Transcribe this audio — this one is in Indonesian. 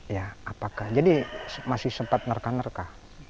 ya apakah jadi masih sempat nerka nerka